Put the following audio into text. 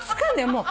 もう。